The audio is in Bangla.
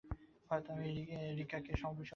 হয়তো আমিই রিকাকে অভিশপ্ত করেছি।